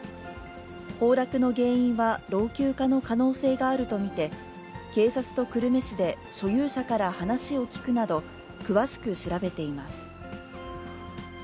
崩落の原因は老朽化の可能性があると見て、警察と久留米市で所有者から話を聴くなど、詳しく調べています。